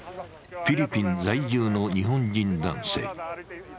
フィリピン在住の日本人男性。